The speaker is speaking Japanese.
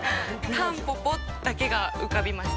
タンポポだけが浮かびました。